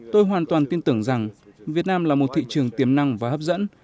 tôi hoàn toàn tin tưởng rằng việt nam là một thị trường tiềm năng và hấp dẫn